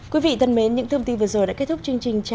quý vị thân mến những thông tin vừa rồi đã kết thúc chương trình chào